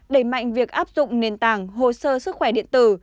đẩy mạnh việc áp dụng nền tảng hồ sơ sức khỏe điện tử